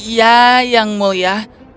ya yang mulia